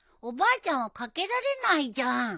おばあちゃんはかけられないじゃん。